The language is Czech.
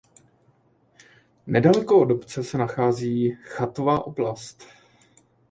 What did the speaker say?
Nedaleko od obce se nachází chatová oblast.